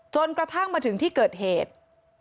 กระทั่งมาถึงที่เกิดเหตุ